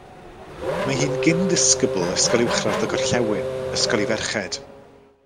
Mae hi'n gyn-ddisgybl Ysgol Uwchradd y Gorllewin, ysgol i ferched.